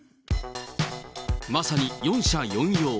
まさに４者４様。